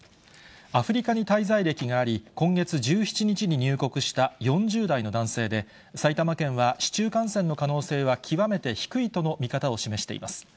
アフリカに滞在歴があり、今月１７日に入国した４０代の男性で、埼玉県は市中感染の可能性は極めて低いとの見方を示しています。